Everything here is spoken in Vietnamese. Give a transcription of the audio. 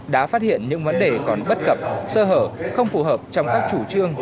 đã phát hiện những vấn đề còn bất cập sơ hở không phù hợp trong các chủ trương